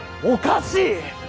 おかしい！